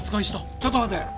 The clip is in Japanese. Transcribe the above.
ちょっと待て。